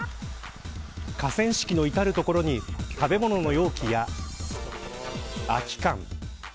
河川敷の至る所に食べ物の容器や空き缶。